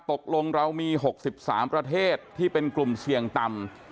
ตกลงเรามี๖๓ประเทศที่เป็นกลุ่มเสี่ยงต่ำ